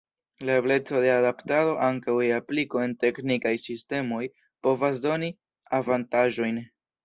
La ebleco de adaptado ankaŭ je apliko en teknikaj sistemoj povas doni avantaĝojn.